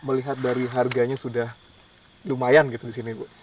melihat dari harganya sudah lumayan gitu di sini ibu